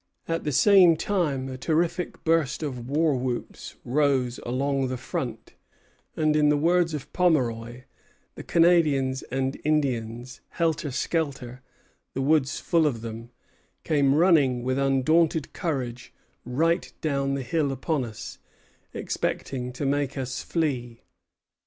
At the same time a terrific burst of war whoops rose along the front; and, in the words of Pomeroy, "the Canadians and Indians, helter skelter, the woods full of them, came running with undaunted courage right down the hill upon us, expecting to make us flee."